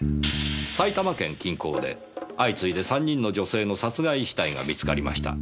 埼玉県近郊で相次いで３人の女性の殺害死体が見つかりました。